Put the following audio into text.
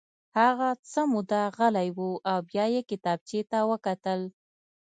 هغه څه موده غلی و او بیا یې کتابچې ته وکتل